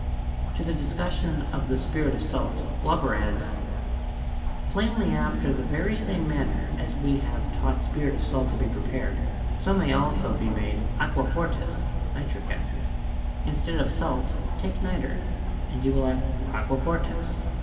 To the discussion of the 'spirit of s~lt,' Glauber adds : "Plainly after the very same manner as we have taught spirit of salt to be prepared, so may also be made 'Aqua fortis' (nitric acid). ... In stead of salt take niter, and you will have 'Aqua fortis.'